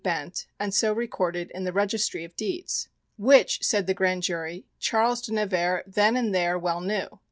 Bent, and so recorded in the Registry of Deeds. Which, said the grand jury, Charles de Nevers then and there well knew.